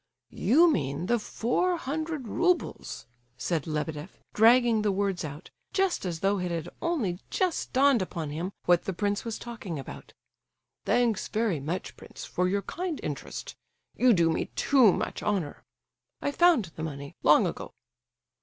You mean the four hundred roubles!" said Lebedeff, dragging the words out, just as though it had only just dawned upon him what the prince was talking about. "Thanks very much, prince, for your kind interest—you do me too much honour. I found the money, long ago!"